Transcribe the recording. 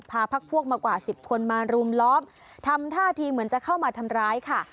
พักพวกมากว่าสิบคนมารุมล้อมทำท่าทีเหมือนจะเข้ามาทำร้ายค่ะ